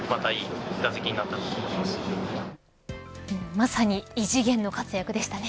まさに異次元の活躍でしたね。